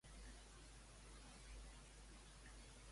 Quin comentari fa Heròdot d'Alos?